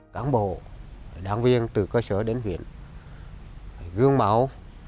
đảng bộ đảng viên từ cơ sở đến huyện gương máu